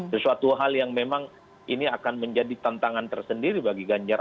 sesuatu hal yang memang ini akan menjadi tantangan tersendiri bagi ganjar